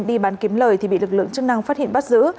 đi bán kiếm lời thì bị lực lượng chức năng phát hiện bắt giữ